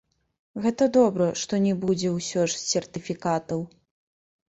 Гэта добра, што не будзе ўсё ж сертыфікатаў.